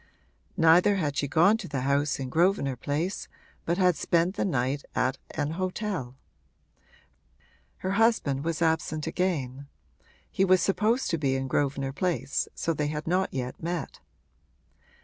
Neither had she gone to the house in Grosvenor Place but had spent the night at an hotel. Her husband was absent again; he was supposed to be in Grosvenor Place, so that they had not yet met.